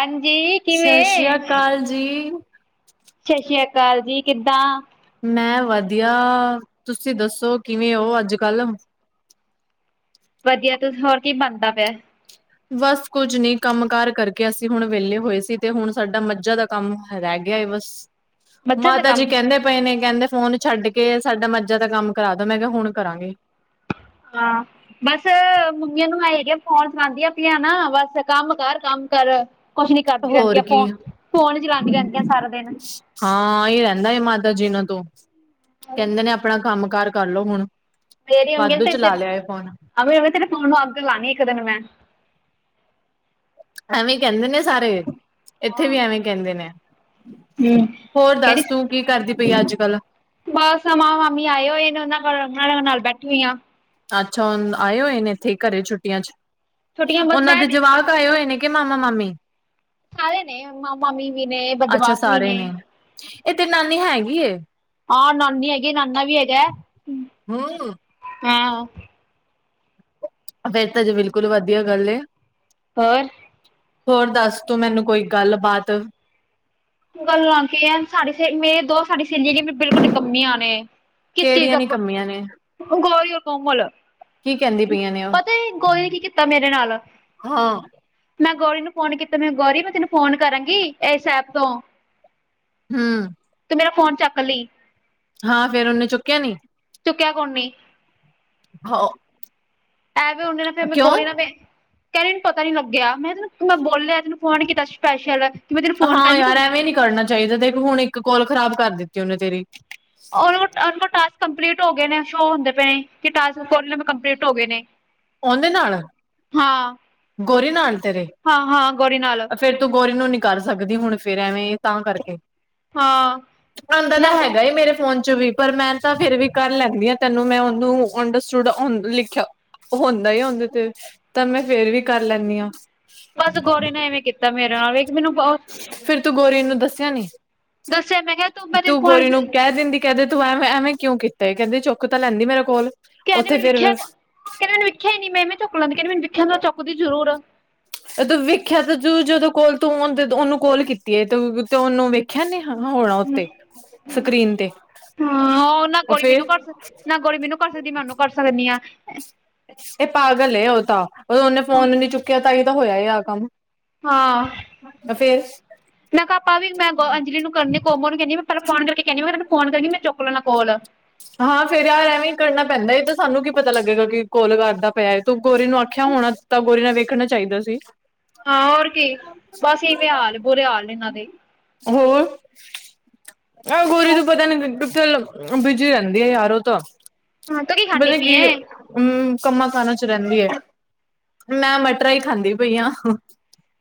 ਹਾਂਜੀ ਸਤਿ ਸ਼੍ਰੀ ਕਿਵੇਂ ਅਕਾਲ ਜੀ। ਸਤਿ ਸ੍ਰੀ ਅਕਾਲ ਜੀ, ਕਿੱਦਾਂ? ਮੈਂ ਵਧੀਆ, ਤੁਸੀਂ ਦੱਸੋ ਕਿਵੇਂ ਹੋ ਅੱਜ ਕੱਲ? ਵਧੀਆ, ਤੁ ਹੋਰ ਕੀ ਬਣਦਾ ਪਿਆ? ਬਸ ਕੁੱਝ ਨੀ, ਕੰਮ ਕਾਰ ਕਰਕੇ ਅਸੀਂ ਹੁਣ ਵਿਹਲੇ ਹੋਏ ਸੀ ਤੇ ਹੁਣ ਸਾਡਾ ਮੱਝਾ ਦਾ ਕੰਮ ਰਹਿ ਗਿਆ ਬਸ, ਮੱਝਣ ਦਾ ਮਾਤਾ ਜੀ ਕੰਮ ਕਹਿੰਦੇ ਪਏ ਨੇ ਕਹਿੰਦੇ ਫੋਨ ਛੱਡ ਕੇ ਸਾਡਾ ਮੱਜਾ ਦਾ ਕੰਮ ਕਰਾ ਦੋ, ਮੈਂ ਕਿਹਾ ਹੁਣ ਕਰਾਂਗੇ। ਹਾਂ। ਬਸ ਮੰਮੀਆਂ ਨੂੰ ਆ ਹੈਗੇ ਫੋਨ ਸੁਣਾਉਂਦੀਆਂ ਪ ਨਾ, ਬਸ ਕੰਮ ਕਰ, ਕੰਮ ਕਰ। ਕੁਛ ਨੀ ਕਰਦੀ ਹੋਰ ਰਹਿੰਦੀਆਂ, ਕੀ ਫੋ ਫੋਨ ਚਲਾਉਂਦੀਆਂ ਰਹਿੰਦੀਆਂ ਸਾਰਾ ਦਿਨ। ਹਾਂ ਇਹ ਰਹਿੰਦਾ ਮਾਤਾ ਜੀ ਨਾਂ ਤੋਂ, ਕਹਿੰਦੇ ਨੇ ਆਪਣਾ ਕੰਮ ਕਾਰ ਕਰ ਲੋ ਹੁਣ। ਮੇਰੇ ਅਂਗੇ ਵਾਧੂ ਤੇ [unintelligible] ਚਲਾ ਲਿਆ ਏ ਫੋਨ। ਤੇਰੇ ਫੋਨ ਨੂੰ ਅੱਗ ਲਾਂਣੀ ਇਕ ਦਿਨ ਮੈਂ। ਐਵੇਂ ਈ ਕੈੰਦੇ ਨੇ ਸਾਰੇ, ਏਥੇ ਵੀ ਐਵੇਂ ਈ ਕੈੰਦੇ ਨੇ। ਹਂ, ਹੋਰ ਕੈਰੀ ਦੱਸ ਸ ਤੂੰ ਕੀ ਕਰਦੀ ਪਈ ਅੱਜ-ਕੱਲ੍ਹ? ਬਸ ਆ ਮਾਮਾ-ਮਾਮੀ ਆਏ ਹੋਏ ਨੇ ਓਨਾਂ ਕੋਲ ਓਨਾਂ ਨਾਲ ਬੈਠੀ ਹੋਈ ਆ। ਅੱਛਾ ਹੁਣ ਆਏ ਹੋਏ ਨੇ ਇੱਥੇ ਘਰੇ ਛੁੱਟੀਆਂ ਚ। ਛੋਟੀਆਂ ਬਸ ਓਨਾਂ ਦੇ ਰਹਿ ਜਵਾਕ ਆਏ ਹੋਏ ਨੇ ਕੇ ਮਾਮਾ-ਮਾਮੀ? ਸਾਰੇ ਨੇ ਮਾਮਾ-ਮਾਮੀ ਵੀ ਨੇ ਬਦ ਵਾਕ ਵੀ ਨੇ। ਏ ਤੇਰੀ ਨਾਨੀ ਹੈਗੀ ਏ? ਹਾਂ, ਨਾਨੀ ਹੈਗੀ ਏ ਨਾਨਾ ਵੀ ਹੈਗਾ, ਹਂ, ਹੂੰ ਹੇਂ। ਫੇਰ ਤਾਂ ਜੀ ਬਿਲਕੁਲ ਵਧੀਆ ਗੱਲ ਏ। ਹੋਰ। ਹੋਰ ਦੱਸ ਤੂੰ ਮੈਨੂੰ ਕੋਈ ਗੱਲ-ਬਾਤ? ਗੱਲਾ ਕੀ ਐ ਸਾਡ ਸੇ ਮੇਰੇ ਦੋ ਸਾਡੀ ਸਹੇਲੀਆ ਜੀ ਮੇ ਬਿਲਕੁਲ ਨਿਕੰਮੀਆਂ ਨੇ। ਕਿਸੀ ਕਿਹੜੀਆਂ ਦਾ ਕ ਨਿਕੰਮੀਆਂ ਨੇ ਗੋਈਔ ਕੋਮਲ ਕੀ ਕਹਿੰਦੀ ਪਈਆਂ ਨੇ ਉਹ ਪਤੈ ਗੋਲੀ ਨੇ ਕੀ ਕੀਤਾ ਮੇਰੇ ਨਾਲ। ਹਾਂ ਮੈਂ ਗੌਰੀ ਨੂੰ ਫੋਨ ਕੀਤਾ, ਮੈਹੇਂ ਗੌਰੀ ਮੈਂ ਤੈਨੂੰ ਫੋਨ ਕਰਾਂਗੀ ਏਸ ਐਪ ਤੋਂ। ਹਂ ਤੂੰ ਮੇਰਾ ਫੋਨ ਚੱਕ ਲੀ। ਹਾਂ, ਫੇਰ ਓਨੇ ਚੁੱਕਿਆ ਨੀ। ਚੁੱਕਿਆ ਕੋ ਨੀ। ਹਾਅ। ਐ ਵੀ ਹੋਣ ਮੇਰਾ ਫੇਰ ਗੋਰੀ ਨਾਦੇ ਕੈਰੀ ਮੈਨੂੰ ਪਤਾ ਨੀ ਲੱਗਿਆ, ਮੈਂ ਤੈਨੂੰ ਮੈਂ ਬੋਲਿਐ ਤੈਨੂੰ ਫੋਨ ਕੀਤਾ ਸਪੈਸ਼ਲ। ਮੈਂ ਤੈਨੂੰ ਫੋਨ ਹਾਂ ਕਰਾਂਗੀ ਯਾਰ, ਤੂੰ ਐਵੇਂ ਨੀ ਕਰਨਾ ਚਾਈਦਾ ਦੇਖ ਹੁਣ ਇੱਕ ਕੋਲ ਖ਼ਰਾਬ ਕਰ ਦਿੱਤੀ ਉਨੇ ਤੇਰੀ। ਓਹਨੂ ਓਨੂੰ ਕੋ ਟਾਸਕ ਕੰਪਲੀਟ ਹੋਗੇ ਨੇ ਸ਼ੋ ਹੁੰਦੇ ਪਏਣੇ ਕਿ ਟਾਸਕ ਕੋਲ ਲਿਮੀ ਕੰਪਲੀਟ ਹੋਗੇ ਨੇ। ਓੰਦੇ ਨਾਲ। ਹਾਂ। ਗੋਰੀ ਨਾਲ ਤੇਰੇ। ਹਾਂ ਹਾਂ, ਗੋਰੀ ਨਾਲ। ਫੇਰ ਤੂੰ ਗੋਰੀ ਨੂੰ ਨੀ ਕਰ ਸਕਦੀ ਹੁਣ ਫੇਰ ਐਵੇਂ ਤਾਂ ਕਰਕੇ। ਹਾਂ ਆੰਦਾ ਤਾਂ ਨਾ ਹੈਗਾ ਏ ਬਸ ਮੇਰੇ ਫੋਨ ਚ ਵੀ। ਪਰ ਮੈਂ ਤਾਂ ਫੇਰ ਵੀ ਕਰ ਲੈਂਦੀ ਆਂ ਤੈਨੂੰ ਮੈਂ ਓਨੂੰ ਅੰਡਰਸਟੁਡ ਲਿਖਿਆ ਹੋੰਦਾ ਏ ਓਦੇ ਤੇ ਤਾਂ ਮੈਂ ਫੇਰ ਵੀ ਕਰ ਲੈਂਣੀ ਆਂ। ਗੌਰੀ ਨੇ ਐਵੇਂ ਕੀਤਾ ਮੇਰੇ ਨਾਲ ਵੇਖ ਮੈਨੂੰ ਬਹੁਤ ਫਿਰ ਤੂੰ ਗੋਰੀ ਨੂੰ ਦੱਸਿਆ ਨੀ? ਦੱਸਿਆ ਮੈਂ ਕਿਹਾ ਮੈਂ ਤੈਨੂੰ ਤੂੰ ਫੋਨ ਗੋਰੀ ਨੂੰ ਕਹਿੰਦੀ ਕੈਹ ਦਿੰਦੀ। ਕੈ ਦੇ ਤੂੰ ਐਵ ਐਵੇਂ ਕਿਉਂ ਕੀਤਾ ਈ, ਕੈਦੇ ਚੁੱਕ ਤਾਂ ਲੈਂਦੀ ਮੇਰਾ ਕੋਲ। ਕੈੰਦੀ ਉੱਥੇ ਮੈਨੂੰ ਵਿਖਿਆ ਫਿਰ ਕੋਈ, ਕੈੰਦ ਮੈਨ ਵਿਖਿਆ ਨੀ, ਮੈ ਇਮੇਂ ਚੁਕ ਲੈਂਦੀ ਕੈਂਦੀ ਮੈਨੂੰ ਵਿਖਿਆ ਹੁੰਦਾ ਚੱਕਦੀ ਜ਼ਰੂਰ। ਔਤੇ ਵੇਖਿਆ ਤੇ ਤੂੰ ਜਦੋਂ ਕੋਲ ਤੂੰ ਔਨ ਦੋ ਓਨੂੰ ਕੋਲ ਕੀਤੀ ਏ, ਤੂ ਤੇ ਓਨੂੰ ਵੀ ਖੈ ਨੀ ਹਾਂ ਹੋਣਾ ਉੱਤੇ ਸਕਰੀਨ ਤੇ, ਓਹ ਫੇਰ। ਕੋਰੀ ਮੈਨੂੰ ਕਰ ਸਕਦੀ ਏ ਮੈਂ ਉਨੂੰ ਕਰ ਸਕਣੀ ਆ। ਏ ਪਾਗਲ ਏ ਓਹ ਤਾਂ, ਓਨੇ ਫੋਨ ਨੀ ਚੁੱਕਿਆ ਤਾਂ ਈ ਤਾਂ ਹੋਇਆ ਏ ਆਹ ਕੰਮ। ਹਾਂ। ਲੇ ਫੇਰ। ਮੈਂ ਕਾ ਆਪਾ ਵੀ ਮੈਂ ਗੋ ਅਜਲੀ ਨੂੰ ਕਰਨੀ ਕੋਮਰ ਨੂੰ ਕੈੰਦੀ ਮੈਂ ਪੈਲਾ ਫੋਨ ਕਰਕੇ ਕੈਂਦੀ ਆਂ ਮੈਂ ਤੈਨ ਫੋਨ ਕਰਾਗੀ ਮੈਂ ਚੁੱਕ ਲੈਣਾ ਕੋਲ। ਹਾਂ ਫੇਰ ਯਾਰ ਐਵੇਂ ਈ ਕਰਨਾ ਪੈਂਦਾ ਏ, ਤੇ ਸਾਨੂੰ ਕੀ ਪਤਾ ਲੱਗੇਗਾ ਕਿ ਕੋਲ ਕਰਦਾ ਪਿਆ ਐ, ਤੂੰ ਗੋਰੀ ਨੂੰ ਆਖਿਆ ਹੋਣਾ ਤਾ ਗੋਰੀ ਨਾ ਵੇਖਣਾ ਚਾਈਦਾ ਸੀ। ਅ ਆਂ ਹੋਰ ਕੀ, ਬਸ ਇਵੇਂ ਹਾਲ, ਬੁਰੇ ਹਾਲ ਨੇ ਐਨਾਂ ਦੇ। ਹੋਰ, ਔਏ ਗੋਰੀ ਨੂੰ ਪਤਾ ਹਾਂ ਨੀ ਕਿੱਥੇ ਲਗ ਬਿ ਜੀ ਰੈੰਦੀ ਆ ਯਾਰ ਓਹ ਤਾਂ, ਤੂੰ ਕੀ ਖਾਂਦੀ ਪਤਾ ਪਈ ਕੀ ਏ? ਹਮ ਕੰਮਾਂ-ਕਾਰਾਂ ਚ ਰਹਿੰਦੀ ਹੈ, ਮੈਂ ਮਟਰਾਂ ਹੀ ਖਾਂਦੀ ਪਈ ਹਾਂ ਹਨ।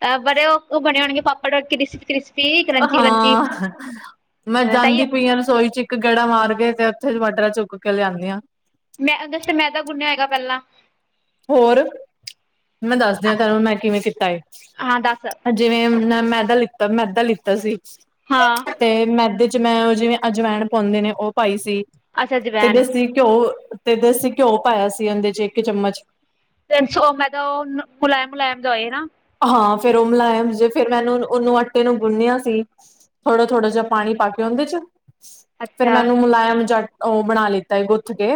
ਅਹ ਬੜੇ ਉਹ ਬਣੇ ਹੋਣਗੇ, ਪਾਪੜ ਕ੍ਰਿਸਪ-ਕ੍ਰਿਸਪ ਹਾਂ, ਮੈਂ ਹਾਂ ਕਹੀਏ ਜਾਂਦੀ ਪਈਆਂ ਰਸੋਈ'ਚ। ਇੱਕ ਗੇੜਾ ਮਾਰ ਕੇ, ਤੇ ਉੱਥੇ ਮਟਰਾਂ ਚੁੱਕ ਕੇ ਲਿਆਂਦੀ ਆ। ਮੈਂ ਓਂਦੇ ਅਸਤੇ ਮੈਦਾ ਗੁੰਣਿਆ ਹੋਏਗਾ ਪਹਿਲਾ। ਹੋਰ, ਮੈਂ ਦਸਦੀ ਆ ਤੈਨੂੰ, ਮੈਂ ਕਿਵੇਂ ਕੀਤਾ ਏ। ਹਾਂ ਦੱਸ ਜਿਵੇਂ ਮੈ ਮੈਦਾ ਲਿੱਤਾ, ਮੈਦਾ ਲਿੱਤਾ ਸੀ। ਹਾਂ। ਤੇ ਮੈਦੇ'ਚ ਮੈਂ ਉਹ ਜਿਵੇਂ ਅਜਵੈਨ ਪਾਉਂਦੇ ਨੇ, ਉਹ ਪਾਈ ਸੀ ਅੱਛਾ ਤੇ ਜਵੈਨ ਦੇਸੀ ਘਿਓ, ਤੇ ਦੇਸੀ ਘਿਓ ਪਾਇਆ ਸੀ ਉਹਦੇ'ਚ ਇੱਕ ਚਮਚ। ਤਿੰਨ ਸੌ ਮੈਂ ਤਾਂ ਉਹ, ਮੁਲਾਇਮ-ਮੁਲਾਇਮ ਜਾ ਹੋਏ ਨਾ। ਹਾਂ ਫੇਰ, ਉਹ ਮੁਲਾਇਮ ਜੇ ਫੇਰ, ਮੈਨੂੰ ਉਹਨੂੰ ਆੱਟੇ ਨੂੰ ਗੁੰਨਿਆ ਸੀ। ਥੋੜਾ-ਥੋੜਾ ਜਿਹਾ ਪਾਣੀ-ਪਾ ਕੇ ਉਹਦੇ'ਚ, ਫੇਰ ਅੱਛਾ ਮੈਨੂੰ ਮੁਲਾਇਮ ਜਾ ਉਹ ਬਣਾ ਲਿੱਤਾ ਹੈ ਗੁੱਥ ਕੇ।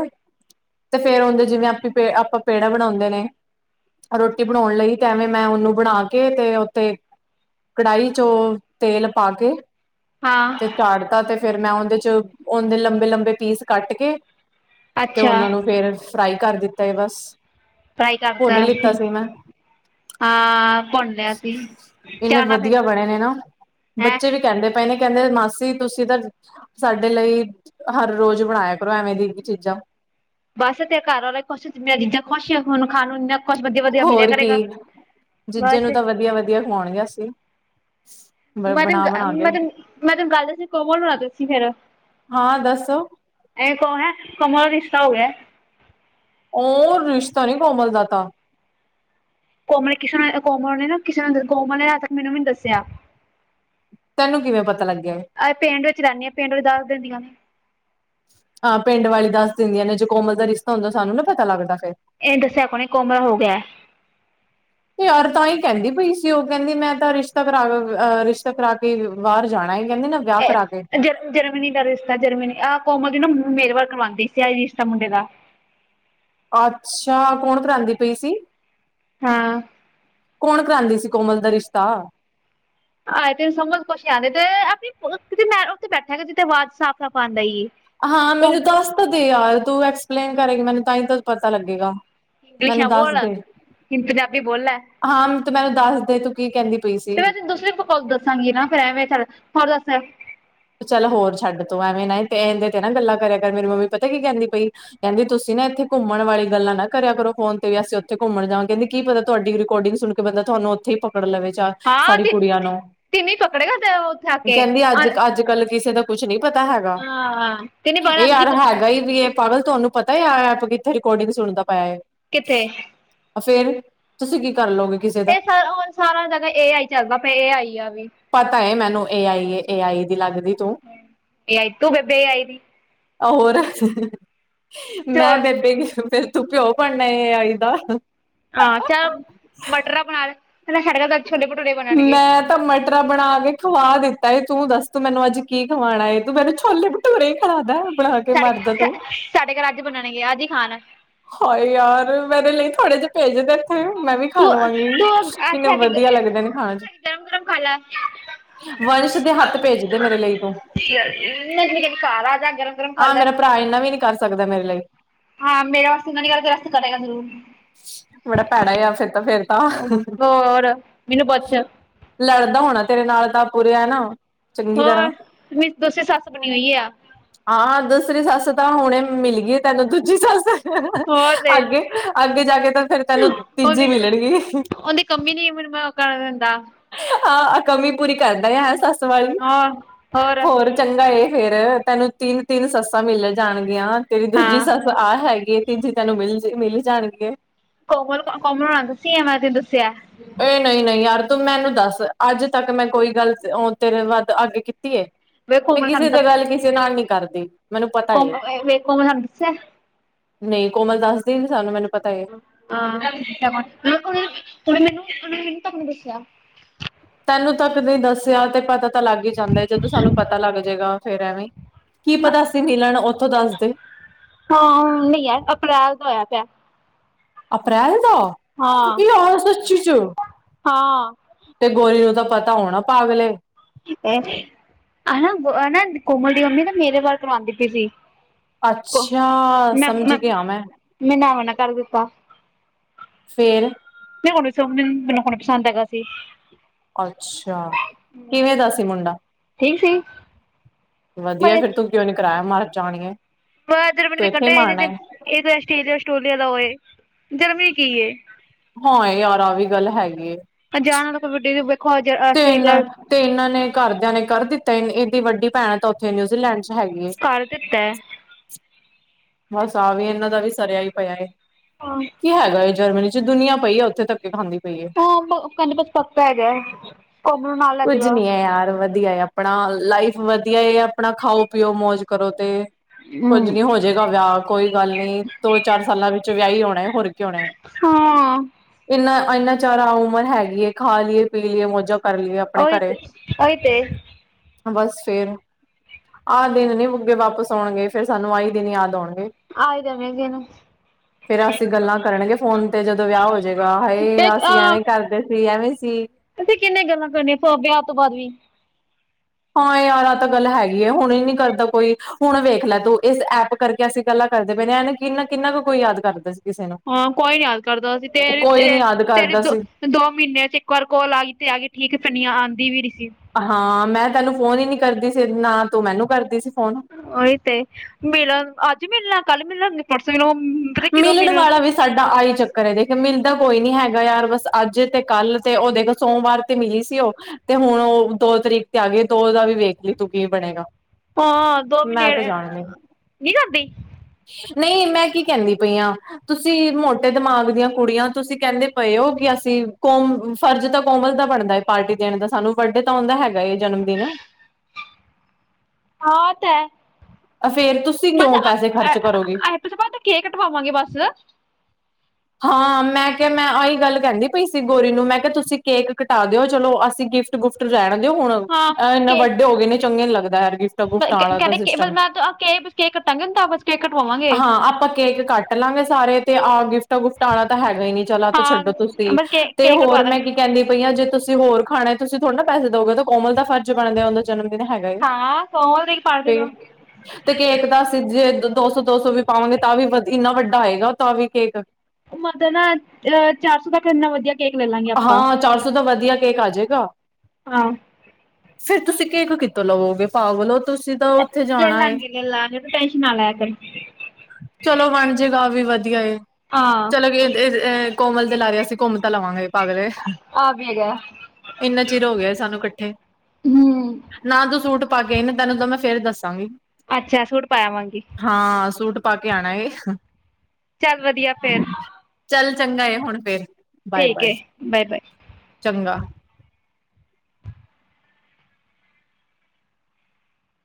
ਤੇ ਫੇਰ ਔਂਦੇ ਜਿਵੇਂ ਆਪ, ਆਪਾਂ ਪੇੜਾ ਬਣਾਉਂਦੇ ਨੇ। ਰੋਟੀ ਬਣਾਉਣ ਲਈ ਤਾਂ ਐਵੇਂ ਮੈਂ ਉਹਨੂੰ ਬਣਾ ਕੇ ਤੇ ਉ ਤੇ, ਕੜਾਹੀ'ਚੋਂ ਤੇਲ ਪਾ ਕੇ ਤੇ ਹਾਂ ਚਾੜਤਾ ਤੇ ਫੇਰ ਮੈਂ ਉਹਦੇ'ਚ, ਉਹਦੇ ਲੰਬੇ-ਲੰਬੇ ਪੀਸ ਕੱਟ ਕੇ ਤੇ ਅੱਛਾ ਉਹਨਾਂ ਨੂੰ ਫੇਰ ਫਰਾਈ ਕਰ ਦਿੱਤਾ ਹੈ, ਬਸ ਫਰਾਈ ਕਰਤਾ ਭੁੰਨ ਲਿੱਤਾ ਸੀ ਮੈਂ। ਹਾਂ। ਭੁੰਨ ਲਿਆ ਸੀ ਇੰਨੇ ਜਾਣਾ ਫਿਰ ਵਧੀਆ ਬਣੇ ਨੇ ਨਾ, ਹੈਂ ਬੱਚੇ ਵੀ ਕਹਿੰਦੇ ਪਏ ਨੇ ਕਹਿੰਦੇ ਮਾਸੀ, ਤੁਸੀਂ ਤਾਂ ਸਾਡੇ ਲਈ ਹਰ ਰੋਜ਼ ਬਣਾਇਆ ਕਰੋ, ਐਵੇਂ ਦੀ ਹੀ ਚੀਜ਼ਾਂ। ਬਸ ਤੇਰੇ ਘਰ ਆਲੇ ਖੁਸ਼, ਤੇਰਾ ਜੀਜਾ ਖੁਸ਼, ਹੁਣ ਖਾਣ ਨੂੰ ਇੰਨਾ ਕੁਛ ਵਧੀਆ ਵਧੀਆ ਮਿਲਿਆ ਹੋਰ ਕੀ, ਕਰੇਗਾ ਜੀਜੇ ਬਸ ਨੂੰ ਤਾਂ ਵਧੀਆ ਵਧੀਆ ਖਵਾਉਣ ਗੇ ਅਸੀ। ਮੈਂ ਤੈਨੂੰ ਮੈਂ ਤੈਨੂੰ ਗੱਲ ਦੱਸਨੀ ਆ, ਕੋਮਲ ਨੂੰ ਨਾ ਦਸੀ ਫੇਰ। ਹਾਂ ਦੱਸ ਐ ਕੋ ਹੈ ਕੋਮਲ ਦਾ ਰਿਸ਼ਤਾ ਹੋਗਿਆ ਹੈ। ਉਹ ਰਿਸ਼ਤਾ ਨੀ ਕੋਮਲ ਦਾ ਤਾ। ਕੋਮਲ ਕਿਸੇ ਨੂੰ ਨੀ ਕੋਮਲ ਨੇ ਨਾ ਕਿਸੇ ਨੇ, ਕੋਮਲ ਆ ਅਜ ਤਕ ਮੈਨੂੰ ਵੀ ਨੀ ਦੱਸਿਆ। ਤੈਨੂੰ ਕਿਵੇਂ ਪਤਾ ਲੱਗਿਆ ਏ? ਆਂ ਪਿੰਡ ਵਿੱਚ ਰਹਿੰਦੀ ਹਾਂ, ਪਿੰਡ ਵਿੱਚ ਦੱਸ ਦਿੰਦੀਆਂ ਨੇ। ਹਾਂ, ਪਿੰਡ ਵਾਲੀ ਦੱਸ ਦਿੰਦੀਆਂ ਨੇ ਜੋੇ ਕੋਮਲ ਦਾ ਰਿਸ਼ਤਾ ਹੁੰਦਾ, ਸਾਨੂੰ ਨਾ ਪਤਾ ਲੱਗਦਾ ਫੇਰ। ਇਹਨੇ ਦੱਸਿਆ ਕੋਨੀ, ਕੋਮਲ ਦਾ ਹੋ ਗਿਆ। ਤੇ ਯਾਰ ਤਾਂ ਹੀ ਕਹਿੰਦੀ ਪਈ ਸੀ, ਉਹ ਕਹਿੰਦੀ ਮੈਂ ਤਾਂ ਰਿਸ਼ਤਾ ਕਰਾ ਅਹ ਰਿਸ਼ਤਾ ਕਰਾ ਕੇ ਹੀ ਬਾਹਰ ਜਾਣਾ ਕਹਿੰਦੀ ਨਾ ਵਿਆਹ ਕਰਾ ਕੇ ਇਹ ਜ ਜਰਮਨੀ ਦਾ ਰਿਸ਼ਤਾ ਜਰਮਨੀ, ਆਹ ਕੋਮਲ ਦੀ ਨਾ ਮੇਰੇ ਵੱਲ ਕਰਵਾਉਂਦੀ ਸੀ ਆ ਰਿਸ਼ਤਾ ਮੁੰਡੇ ਦਾ। ਅੱਛਾ, ਕੌਣ ਕਰਾਂਂਦੀ ਪਈ ਸੀ? ਹਾਂ ਕੌਣ ਕਰਾਉਂਦੀ ਸੀ ਕੋਮਲ ਦਾ ਰਿਸ਼ਤਾ? ਆਏ ਤੇ ਸਮਝ ਕੁਛ ਨਈ ਆਉਂਦੇ ਤੇ ਆਪਤੇ ਮੈਂ ਉੱਥੇ ਬੈਠਾ ਕਰ, ਜਿੱਥੇ ਆਵਾਜ਼ ਸਾਫ਼ ਸਾਫ਼ ਆਉਂਦਾ ਈਏ। ਹਾਂ ਮੈਨੂੰ ਦੱਸ ਤਾਂ ਦੇ ਯਾਰ ਤੂੰ ਐਕਸਪਲੇਨ ਕਰੇਗੀ, ਮੈਨੂੰ ਤਾਂ ਹੀ ਪਤਾ ਲੱਗੇਗਾ। ਇੰਗਲਿਸ਼ ਨਾ ਮੈਨੂੰ ਦੱਸ ਬੋਲ, ਦੇ ਪੰਜਾਬੀ ਬੋਲ ਲੈ। ਹਾਂ, ਤੂੰ ਮੈਨੂੰ ਦੱਸ ਦੇ, ਤੂੰ ਕੀ ਕਹਿੰਦੀ ਪਈ ਸੀ। ਓਦੋਂ ਦੱਸਾਂਗੀ ਨਾ ਫੇਰ ਐਵੇਂ, ਚੱਲ ਹੋਰ ਦੱਸ। ਚੱਲ, ਹੋਰ ਛੱਡ ਤੂੰ ਐਵੇਂ ਨਾ ਤੇ ਇਹਦੇ'ਤੇ ਨਾ ਗੱਲਾਂ ਕਰਿਆ ਕਰ, ਮੇਰੀ ਮੰਮੀ ਪਤਾ ਕੀ ਕਹਿੰਦੀ ਪਈ ਕਹਿੰਦੀ, ਤੁਸੀਂ ਨਾ ਇੱਥੇ ਘੁੰਮਣ ਵਾਲੀ ਗੱਲਾਂ ਨਾ ਕਰਿਆ ਕਰੋ ਫੋਨ'ਤੇ ਵੀ ਅਸੀਂ ਉੱਥੇ ਘੁਮਣ ਜਾਨਾ ਕਹਿੰਦੀ, ਕੀ ਪਤਾ ਤੁਹਾਡੀ ਰਿਕੌਰਡਿੰਗ ਸੁਣ ਬੰਦਾ ਤੁਹਾਨੂੰ ਉੱਥੇ ਹੀ ਪਕੜ ਲਵੇ, ਹਾਂ ਸਾਰੀ ਤੇ ਕੁੜੀਆਂ ਨੂੰ, ਤਿੰਨੇ ਪਕੜੇਗਾ ਤੇ ਉੱਥੇ ਆ ਕੇ ਕਹਿੰਦੀ ਅੱਜ ਅੱਜਕੱਲ ਕਿਸੇ ਦਾ ਕੁਛ ਨਹੀਂ ਪਤਾ ਹੈਗਾ, ਹਾਂ ਤਿੰਨੇ ਪਕੜ ਇਹ ਅੰਜਲੀ ਯਾਰ ਕੋ ਹੈਗਾ ਹੀ ਵੀ ਇਹ ਪਾਗਲ ਤੁਹਾਨੂੰ ਪਤਾ ਹੀ ਆਹ ਐਪ, ਕਿੱਥੇ ਰਿਕੌਰਡਿੰਗ ਸੁਣਦਾ ਪਿਆ ਹੈ? ਕਿੱਥੇ? ਫੇਰ, ਤੁਸੀਂ ਕੀ ਕਰਲਓਗੇ। ਇਹ ਸਾਰਾ ਹੁਣ ਸਾਰਾ ਜਗ੍ਹਾ, ਏ ਆਈ ਚੱਲਦਾ ਪਿਆ, ਏ ਆਈ ਆ ਵੀ। ਪਤਾ ਏ ਮੈਨੂੰ, ਏ ਆਈ ਏ, ਏ ਆਈ ਦੀ ਲੱਗਦੀ ਤੂੰ। ਏ ਆਈ ਤੂੰ, ਬੇਬੇ ਏ ਆਈ ਦੀ। ਆ ਹੋਰ, ਮੈਂ ਚੋਲ ਬੇਬੇ ਅ ਫੇਰ ਤੂੰ! ਪਿਉਅ ਬਣਨਾ, ਏ ਆਈ ਦਾ। ਹਾਂ ਚੱਲ ਮਟਰਾ ਬਣਾ ਲੇਹ, ਹਲਾ ਸਾਡੇ ਘਰ ਤਾਂ ਕਲ ਛੋਲੇ-ਭਟੂਰੇ ਬਣਨਗੇ। ਮੈਂ ਤਾਂ ਮਟਰਾ ਬਣਾ ਕੇ ਖਵਾ ਦਿੱਤਾ ਏ, ਤੂੰ ਦੱਸ ਤੂੰ ਮੈਨੂੰ ਅੱਜ ਕੀ ਖਵਾਣਾ ਏ? ਤੂੰ ਮੇਰੇ ਛੋਲੇ- ਭੁਟ ਰੇ ਖਲਾ ਦਾ ਬਣਾ ਕੇ, ਸਾਡੇ ਮਰਜਾ ਤੂੰ! ਸਾਡੇ ਘਰ ਅੱਜ ਬਣਨਗੇ ਅੱਜ ਹੀ ਖਾਣ ਹਾਏ ਯਾਰ! ਮੇਰੇ ਲਈ ਥੋੜੇ ਜਿਹੇ ਭੈਜਦੇ ਇੱਥੇ, ਮੈਂ ਵੀ ਖਾ ਤੂੰ ਲਵਾਂਗੀ। ਤੂੰ ਇੱਥੇ ਆ ਕੇ ਵਦੀਆਂ ਲੱਗਦੇ ਨੇ, ਖਾਣ 'ਚ ਗਰਮ ਗਰਮ ਖਾ ਲੈ ਵੰਸ਼ ਦੇ ਹੱਥ ਭੇਜ ਦੇ, ਮੇਰੇ ਲਈ ਤੂੰ। [unintelligible] ਘਰ ਆ ਜਾ, ਗਰਮ ਗਰਮ ਖਾ ਲੈ। ਹਾਏ! ਇੰਨਾ ਵੀ ਨੀ ਕਰ ਸਕਦੈ, ਮੇਰੇ ਲਈ। ਹਾਂ, ਮੇਰੇ ਵਾਸਤੇ ਤਾਂ ਨੀ ਕਰਕੇ, ਤੇਰੇ ਵਸਤੇ ਕਰੇਗਾ ਜ਼ਰੂਰ। ਬੜਾ ਭੈੜਾ ਆ ਫਿਰ ਤਾਂ ਫੇਰ ਤਾਂ ਹੋਰ, ਮੈਨੂੰ ਪੁੱਛ। ਲੜਦਾ ਹੋਣਾ ਤੇਰੇ ਨਾਲ ਤਾਂ, ਪੂਰੇ ਐ ਨਾ। ਚੰਗੀ ਤਰ੍ਹਾਂ ਹੋਰ, ਮੇਰੀ ਦੂਸਰੀ ਸੱਸ ਬਣੀ ਹੋਈ ਆ। ਹਾਂ ਅ ਦੁਸਰੀ ਸੱਸ ਤਾਂ ਹੁਣੇ ਅ ਮਿਲ ਗੀ ਏ ਤੈਨੂੰ, ਦੂਜੀ ਸੱਸ। ਹੋਰ ਤੇ ਅੱਗੇ ਅੱਗੇ ਜਾ ਕੇ ਤਾਂ, ਫਿਰ ਤੈਨੂੰ ਤੀਜੀ ਉਹਦੀ ਮਿਲਣਗੀ। ਉਹਦੀ ਕਮੀ ਨੀ ਮੈਨੂੰ ਮੈਂ ਕਰਨ ਦਿੰਦਾ। ਹਾਂ ਅ ਕਮੀ ਪੂਰੀ ਕਰਦਾ ਹੈ ਸੱਸ ਵਾਲੀ, ਹੋਰ ਚੰਗਾ ਏ। ਫੇਰ ਤੈਨੂੰ ਤਿੰਨ - ਤਿੰਨ ਸੱਸਾਂ ਮਿਲ ਅ ਜਾਣਗੀਆਂ। ਤੇਰੀ ਹਾਂ ਦੂਜੀ ਸੱਸ ਆਹ ਹੈਗੇ, ਤੀਜੀ ਤੈਨੂੰ ਮਿਲਜ ਮਿਲ ਜਾਣਗੇ। ਕੋਮਲ, ਕੋਮਲ ਨਾ ਦੂਸੀ, ਐ ਮਾ ਤੇ ਦੁੱਸਿਆ। ਇਹ ਨਹੀਂ-ਨਹੀਂ ਯਾਰ ਤੂੰ ਮੈਨੂੰ ਦੱਸ, ਅੱਜ ਤੱਕ ਮੈਂ ਕੋਈ ਗੱਲ ਉ ਅ ਤੇਰੇ ਵੱਧ ਅੱਗ ਕੀਤੀ ਏ। ਵੇ ਮੈ ਕੋਮਲ ਕਿਸੇ ਸਾਨੂੰ ਤਾਂ ਤੇ ਗੱਲ ਕਿਸੇ ਨਾਲ ਨੀ ਕਰਦੀ। ਮੈਨੂੰ ਪਤਾ ਏ [unintelligible] ਨਹੀਂ ਕੋਮਲ ਦੱਸਦੀ ਨੀ ਸਾਨੂੰ, ਮੈਨੂੰ ਪਤਾ ਏ। [unintelligible] ਹਾਂ, ੳਨੇ ਮੈਨੂੰ ਤਕ ਨੀ ਦੱਸਿਆ। ਤੈਨੂੰ ਤੱਕ ਨਹੀਂ ਦੱਸਿਆ, ਤੇ ਪਤਾ ਪਤਾ ਲੱਗ ਹੀ ਜਾਂਦਾ ਏ ਜਦੋਂ ਸਾਨੂੰ ਪਤਾ ਲੱਗ ਜੇਗਾ ਫੇਰ ਐਵੇਂ, ਕੀ ਪਤਾ ਅਸੀ ਨੀ ਲੈਣਾ, ਉੱਥੋਂ ਦਸਦੇ। ਹਾਂ! ਨਹੀਂ ਯਾਰ, ਅਪ੍ਰੈਲ ਦਾ ਹੋਇਆ ਪਿਆ। ਅਪ੍ਰੈਲ ਦਾ, ਹਾਂ ਯਾਰ ਸੱਚੀ 'ਚ! ਹਾਂ! ਤੇ ਗੋਰੀ ਨੂੰ ਤਾਂ ਪਤਾ ਹੋਣਾ ਪਾਗਲੇ। ਐਹ! ਆ ਨਾ, ਆ ਨਾ, ਕੋਮਲ ਦੀ ਮੰਮੀ ਨਾ ਮੇਰੇ ਵੱਲ ਕਰਾਦੀ ਪਈ ਸੀ। ਅੱਛਾ! ਮੈਂ ਸਮਝ ਮੈਂ ਗਿਆ ਮੈਂ। ਮੈਂ ਨਾ ਮਨਾ ਕਰ ਦਿੱਤਾ ਫਿਰ। [unintelligible] ਪਸੰਦ ਹੈਗਾ ਸੀ। ਅੱਛਾ! ਕਿਵੇਂ ਦਾ ਸੀ ਮੁੰਡਾ? ਠੀਕ ਸੀ। ਵਧੀਆ ਫਿਰ ਤੂੰ ਕਿਉਂ ਨੀ ਕਰਾਇਆ? ਮਰਜਾਣੀ ਏ। [unintelligible] ਦੇ ਕੰਢੇ ਤੇ ਆਸਟ੍ਰੇਲੀਆ- ਅਸਟ੍ਰੇਲੀਆ ਦਾ ਹੋਏ। ਜਰਮਨੀ ਕੀ ਏ ਹਾਂ! ਯਾਰ ਆ ਵੀ ਗੱਲ ਹੈਗੀ ਏ। ਜਾਣ ਵਾਲਾ ਵੱਡੀ ਤੋਂ ਬਗੈਰ ਤੇਰਨ ਤੇ, ਇਹਨਾਂ ਨੇ ਘਰਦਿਆਂ ਨੇ ਕਰ ਦਿੱਤਾ। ਏਨ ਇਹਦੀ ਵੱਡੀ ਭੈਣ ਤਾਂ ਉੱਥੇ ਨਿਊਜ਼ੀਲੈਂਡ 'ਚ ਹੈਗੀ ਏ। ਕਰ ਦਿੱਤਾ ਏ। ਬਸ ਆ ਵੀ ਇਹਨਾਂ ਦਾ ਵੀ ਸਰਿਆ ਹੀ ਪਿਆ ਏ। ਹਾਂ! ਕੀ ਹੈਗਾ ਏ ਜਰਮਨੀ 'ਚ ਦੁਨੀਆਂ ਪਈ ਏ ਉੱਥੇ ਧੱਕੇ ਖਾਂਦੀ। ਪਈ ਏ ਹਾਂ ਕੰਜਕਾਂ ਚ ਪੱਕਾ ਹੈਗਾ [unintelligible] [unintelligible] ਵਧੀਆ ਆਪਣਾ ਲਾਈਫ ਵਧੀਆ ਆਪਣਾ ਖਾਓ ਪੀਓ ਮੌਜ ਕਰੋ ਤੇ ਕੁੱਝ ਹਮ ਨੀ ਹੋ। ਹੋ ਜਾਏਗਾ ਵਿਆਹ ਕੋਈ ਗੱਲ ਨੀ ਦੋ ਚਾਰ ਸਾਲਾਂ ਵਿੱਚ ਵਿਆਹ ਹੀ ਹੋਣਾ ਹੋਰ ਕੀ ਹੋਣਾ। ਹਾਂ। ਇੰਨਾ ਇੰਨਾ ਚਾਰਾ ਉਮਰ ਹੈਗੀ ਏ ਖਾ ਲਈਏ ਪੀ ਲਈਏ ਮੌਜਾ। ਉਹੀ ਤੇ ਉਹੀ ਤੇ। ਬਸ ਫਿਰ ਆਹ ਦਿਨ ਨੀ ਮੁੜ ਕੇ ਵਾਪਿਸ ਆਉਣਗੇ ਫਿਰ ਸਾਨੂੰ ਆਈ। ਦਿਨ ਯਾਦ ਆਉਣਗੇ। ਆਈ ਦਵੇ ਗਿਨ [inaudible] ਫਿਰ ਅਸੀਂ ਗੱਲਾਂ ਕਰਨਗੇ ਫ਼ੋਨ ਤੇ ਜਦੋਂ ਵਿਆਹ ਹੋ ਜਾਏਗਾ ਹਏ ਇੱਕ ਅਸੀਂ ਅ ਐਵੇਂ ਕਰਦੇ ਸੀ ਐਵੇਂ ਸੀ। ਅਸੀਂ ਕਿੰਨੇ ਗੱਲਾਂ ਕਰਨੀਆਂ ਪ ਵਿਆਹ ਤੋਂ ਬਾਅਦ ਵੀ। ਹਾਂ ਯਾਰ ਆ ਤਾਂ ਗੱਲ ਹੈਗੀ ਹੁਣ ਨਹੀਂ ਕਰਦਾ ਕੋਈ। ਹੁਣ ਵੇਖ ਲੈ ਤੂੰ ਇਸ ਐਪ ਕਰਕੇ ਅਸੀਂ ਗੱਲਾਂ ਕਰਦੇ ਪਏ ਹਾਂ ਇਹ ਕਿੰਨਾ ਕਿੰਨਾ ਕੁ ਕੋਈ ਯਾਦ ਕਰਦਾ ਸੀ। ਕਿਸੇ ਨੂੰ। ਹਾਂ ਕੋਈ ਨੀ ਯਾਦ ਕਰਦਾ ਤੇਰੀ ਕੋਈ ਨੀ ਯਾਦ ਤੇਰੀ ਕਰਦਾ ਦੋ। ਸੀ ਦੋ ਮਹੀਨਿਆਂ ਚ ਇਕ ਵਾਰ ਕੋਲ ਆ ਗਈ ਤੇ ਆ ਗਈ ਠੀਕ ਫਿਰ ਆਉਂਦੀ ਵੀ ਨਹੀਂ ਸੀ। ਹਾਂ ਮੈਂ ਤੈਨੂੰ ਫੋਨ ਹੀ ਨੀ ਕਰਦੀ ਸੀ ਨਾ ਤੂੰ ਮੈਨੂੰ ਕਰਦੀ ਸੀ ਫੋਨ। ਉਹੀ ਤੇ ਮਿਲਣ ਅੱਜ ਮਿਲਣਾ ਕੱਲ ਮਿਲਣਗੇ ਪਰਸੋਂ ਪਤਾ ਕਿਦੋਂ ਮਿਲਣ ਵਾਲਾ ਵੀ। ਸਾਡਾ ਆਈ ਚੱਕਰ ਹੈ, ਦੇਖੋ ਮਿਲਦਾ ਕੋਈ ਨੀ ਹੈਗਾ ਯਾਰ ਬਸ ਅੱਜ ਤੇ ਕੱਲ ਤੇ ਉਹ ਦੇਖੋ ਸੋਮਵਾਰ। ਤੇ ਮਿਲੀ ਸੀ, ਉਹ ਤੇ ਹੁਣ ਉਹ ਦੋ ਤਰੀਕ ਤੇ ਆ ਗਏ ਤੇੋ ਉਹਦਾ ਵੀ ਵੇਖ ਲਈਏ ਤੂੰ ਕੀ ਬਣੇਗਾ। ਹਾਂ ਦੋ ਮਹੀਨੇ ਮੈਂ ਤਾਂ ਜਾਣਦੀ [unintelligible] ਨਹੀਂ ਮੈਂ ਕੀ ਕਹਿੰਦੀ ਪਈ ਤੁਸੀਂ ਮੋਟੇ ਦਿਮਾਗ ਦੀਆਂ ਕੁੜੀਆਂ ਤੁਸੀਂ ਕਹਿੰਦੇ ਪਏ ਹੋ ਕਿ ਅਸੀਂ ਕੌਮ। ਫਰਜ਼ ਤਾਂ ਕੋਮਲ ਦਾ ਬਣਦਾ ਹੈ, ਪਾਰਟੀ ਦੇਣ ਦਾ ਸਾਨੂੰ ਵੱਡੇ ਤਾਂ ਆਉਂਦਾ ਹੈਗਾ ਜਨਮ ਦਿਨ। ਹਾਂ ਤੇ ਹੈ। ਫਿਰ ਤੁਸੀਂ ਕਿਉਂ ਪੈਸੇ ਖਰਚ ਕਰੋਗੇ? ਇਸ ਤੋਂ ਬਾਅਦ ਕੇਕ ਕਟਵਾਂਗੇ ਬੱਸ। ਹਾਂ ਮੈਂ ਕਿਹਾ ਮੈਂ ਆਹੀ ਗੱਲ ਕਹਿੰਦੀ ਪਈ ਸੀ ਗੋਰੀ ਨੂੰ ਮੈਂ ਕਿਹਾ ਤੁਸੀਂ ਕੇਕ ਕਟਾ ਦਿਓ ਚਲੋ ਅਸੀਂ ਗਿਫਟ। ਗਿਫ਼ਟ ਗੁਫਟ ਰਹਿਣ ਦਿਓ ਹੁਣ ਹਾਂ। ਇਹ ਇੰਨਾ ਕੇ ਵੱਡੇ ਹੋ ਗਏ ਨੇ ਚੰਗੇ ਨੀ ਲੱਗਦਾ ਹੈ ਗਿਫਟ ਗੁਫਟ ਆਲਾ ਤਾਂ ਸਿਸਟਮ। ਪਰ ਮੈਂ ਤਾਂ ਆ ਕੇਕ ਬਸ ਕੇਕ ਕੱਟਾਂਗੇ ਤਾਂ ਬਸ ਕੇਕ ਕਟਵਾਵਾਂਗੇ। ਹਾਂ ਆਪਾਂ ਕੇਕ ਕੱਟ ਲਾਂਗੇ ਸਾਰੇ ਤੇ ਆਹ ਗਿਫਟ ਗੁਫਟ। ਟਾਂ ਆਲਾ ਤਾਂ ਹੈਗਾ ਹੀ ਨੀ ਚਲੋ ਆ ਤਾਂ ਹਾਂ ਛੱਡੋ ਤੁਸੀਂ ਬਸ ਕੇ ਤੇ ਕੇਕ ਕਟਵਾ ਹੋਰ ਮੈਂ ਦਾਂਗੇ। ਕੀ। ਕਹਿੰਦੀ ਪਈ ਆਂ ਜੇ ਤੁਸੀਂ ਹੋਰ ਖਾਣੈ ਤੁਂ ਥੋੜਾ ਪੈਸੇ ਦੋਗੇ ਤਾਂ ਕੋਮਲ ਦਾ ਫਰਜ਼ ਬਣਦੈ ਉਹਦਾ ਜਨਮ ਦਿਨ ਹੈਗਾ ਏ ਹਾਂ ਕੋਮਲ ਦੀ ਪਾਰਟੀ ਫੇਰ। ਤੋਂ ਤੇ ਕੇਕ ਤਾਂ ਅਸੀਂ ਜੇ ਦੋ ਸੌ ਦੋ ਸੌ ਵੀ ਪਾਵਾਂਗੇ ਤਾਂ ਵੀ ਇੰਨਾ ਵੱਡਾ ਹੋਏਗਾ ਤਾਂ ਵੀ ਕੇਕ। ਮਤਲਬ ਨਾ ਅਹ ਚਾਰ ਸੌ ਤੱਕ ਇੰਨਾ ਵਧੀਆ। ਕੇਕ ਲੈ ਲਾਂਗੇ ਆਪਾਂ ਹਾਂ ਚਾਰ ਸੌ ਦਾ ਵਧੀਆ ਕੇਕ ਆ ਜੇਗਾ। ਹਾਂ। ਫੇਰ ਤੁਸੀਂ ਕੇਕ ਕਿਤੋਂ ਲਓਗੇ ਪਾਗਲੋ ਤੁਸੀਂ ਤਾਂ ਉੱਥੇ ਲੈ ਜਾਣਾ ਏ। ਲਾਂਗੇ ਲੈ ਲਾਂਗੇ ਤੂੰ [inaudible] ਚਲੋ ਬਣ ਜੇਗਾ ਆ ਵੀ ਵਧੀਆ ਏ। ਹਾਂ ਚਲੋ ਕੋਮਲ ਦੇ ਲਾਰੇ ਅਸੀਂ ਘੁੰਮ ਤਾਂ ਲਵਾਂਗੇ। ਪਾਗਲੇ ਆ ਵੀ ਹੈਗਾ ਇੰਨਾ ਚਿਰ ਹੋ ਗਿਆ ਏ ਸਾਨੂੰ ਇਕੱਠੇ। ਹੂੰ। ਨਾ ਤੂੰ ਸੂਟ ਪਾ ਕੇ ਆਈ ਨਾ ਤੈਨੂੰ ਤਾਂ ਮੈਂ ਫੇਰ ਦੱਸਾਂਗੀ। ਅੱਛਾ ਸੂਟ ਪਾਇਆਵਾਂਗੀ। ਹਾਂ ਸੂਟ ਪਾ ਕੇ ਆਣਾ ਏ। ਚੱਲ ਵਧੀਆ ਫੇਰ। ਚੱਲ ਚੰਗਾ ਏ ਹੁਣ ਫੇਰ। ਬਾਏ ਠੀਕ ਬਾਏ ਏ ਬਾਏ ਬਾਏ। ਚੰਗਾ